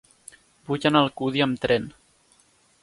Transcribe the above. Vull anar a Alcúdia amb tren.